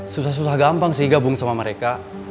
susah susah gampang sih gabung sama mereka